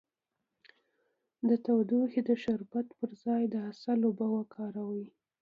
د ټوخي د شربت پر ځای د عسل اوبه وکاروئ